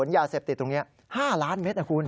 ยาเสพติดตรงนี้๕ล้านเมตรนะคุณ